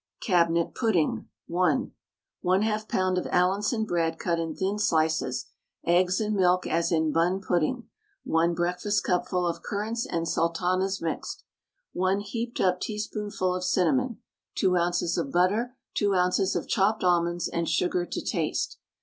CABINET PUDDING (1). 1/2 lb. of Allinson bread cut in thin slices, eggs and milk as in Bun Pudding, 1 breakfastcupful of currants and sultanas mixed, 1 heaped up teaspoonful of cinnamon, 2 oz. of butter, 2 oz. of chopped almonds, and sugar to taste.